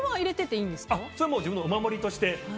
それは自分のお守りとして。